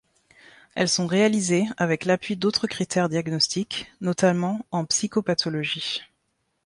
Elles sont réalisées avec l'appui d'autres critères diagnostiques, notamment en psychopathologie.